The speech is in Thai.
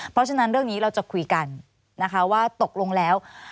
เพราะฉะนั้นเรื่องนี้เราจะคุยกันนะคะว่าตกลงแล้ว